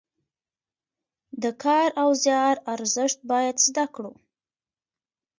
د کار او زیار ارزښت باید زده کړو.